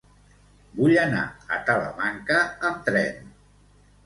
Vull anar a Talamanca amb tren.